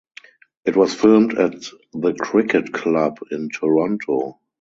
It was filmed at The Cricket Club in Toronto.